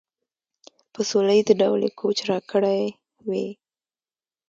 په سوله ایز ډول یې کوچ راکړی وي.